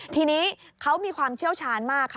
ทีนี้เขามีความเชี่ยวชาญมากค่ะ